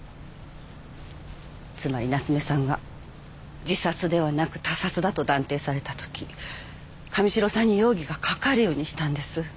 つまり夏目さんが自殺ではなく他殺だと断定されたとき神代さんに容疑が掛かるようにしたんです。